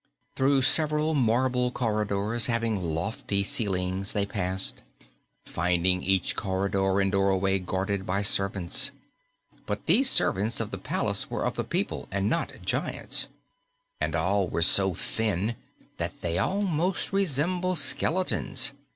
Through several marble corridors having lofty ceilings they passed, finding each corridor and doorway guarded by servants. But these servants of the palace were of the people and not giants, and they were so thin that they almost resembled skeletons.